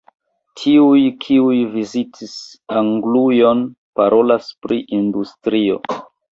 Tiuj, kiuj vizitis Anglujon, parolas pri industrio.